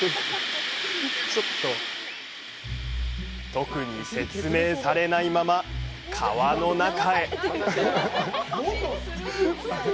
特に説明されないまま川の中へ。